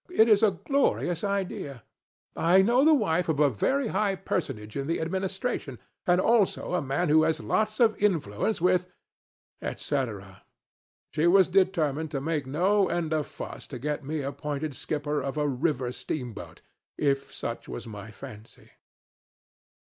It is a glorious idea. I know the wife of a very high personage in the Administration, and also a man who has lots of influence with,' &c., &c. She was determined to make no end of fuss to get me appointed skipper of a river steamboat, if such was my fancy.